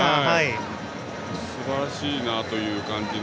すばらしいなという感じの。